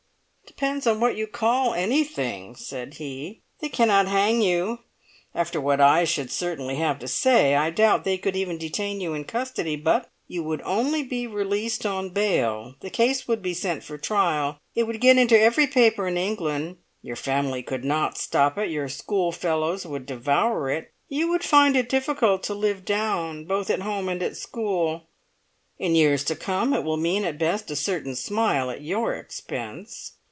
"It depends what you call anything," said he. "They cannot hang you; after what I should certainly have to say I doubt if they could even detain you in custody. But you would only be released on bail; the case would be sent for trial; it would get into every paper in England; your family could not stop it, your schoolfellows would devour it, you would find it difficult to live down both at home and at school. In years to come it will mean at best a certain smile at your expense!